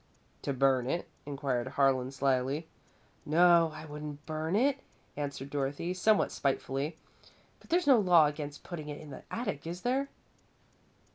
"To burn it?" inquired Harlan, slyly. "No, I wouldn't burn it," answered Dorothy, somewhat spitefully, "but there's no law against putting it in the attic, is there?"